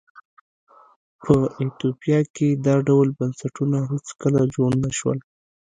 په ایتوپیا کې دا ډول بنسټونه هېڅکله جوړ نه شول.